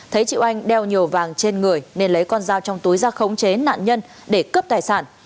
thấy chị oanh đeo nhiều vàng trên người nên lấy con dao trong túi ra khống chế nạn nhân để cướp tài sản